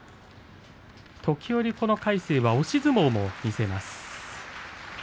時折、魁聖は押し相撲も見せます。